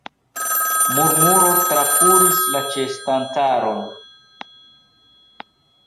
Murmuro trakuris la ĉeestantaron.